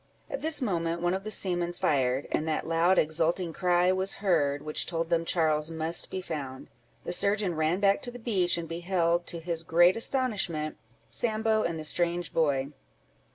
At this moment one of the seamen fired, and that loud exulting cry was heard, which told them Charles must be found: the surgeon ran back to the beach, and beheld, to his great astonishment, Sambo and the strange boy.